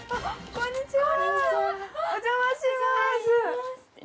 こんにちは！